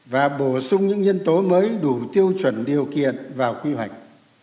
và bổ sung những nhân tố mới đủ tiêu chuẩn điều kiện vào quy hoạch